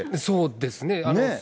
そうですね。